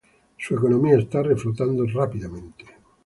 Su economía está reflotando rápidamente.